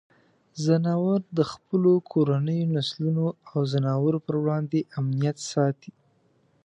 ځناور د خپلو کورنیو نسلونو او ځناورو پر وړاندې امنیت ساتي.